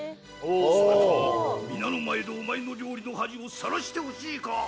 皆の前でお前の料理の恥をさらしてほしいか？